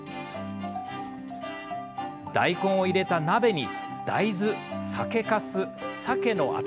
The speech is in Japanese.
大根を入れた鍋に大豆、酒かす、さけの頭